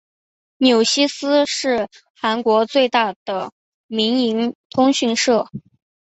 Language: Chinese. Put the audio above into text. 纽西斯是韩国最大的民营通讯社。